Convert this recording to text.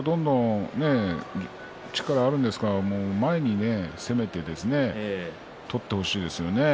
力があるんですから前に攻めて取ってほしいですね。